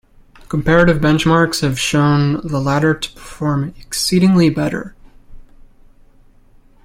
Comparative benchmarks have shown the latter to perform exceedingly better.